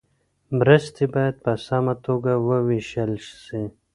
مرستې باید په سمه توګه وویشل سي.